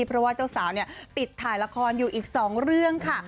เพราะว่าเจ้าสาวเนี่ยติดถ่ายละครอยู่อีก๒เรื่องค่ะ